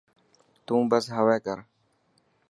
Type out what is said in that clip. تون بس هري ڪر.